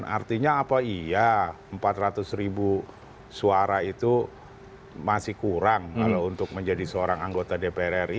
artinya apa iya empat ratus ribu suara itu masih kurang kalau untuk menjadi seorang anggota dpr ri